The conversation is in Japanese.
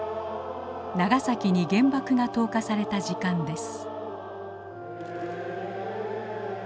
長崎に原爆が投下された時間です。